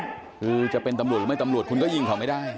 คือจะเป็นตำรวจหรือไม่ตำรวจคุณก็ยิงเขาไม่ได้